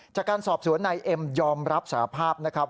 จากการสอบสวนนายเอ็มยอมรับสาภาพนะครับ